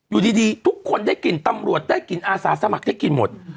อยู่ดีทุกคนได้กลิ่นตำรวจได้กลิ่นอาสาสมัครได้กินหมด